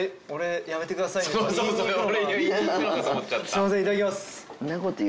すいませんいただきます。